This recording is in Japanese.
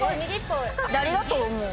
左だと思う。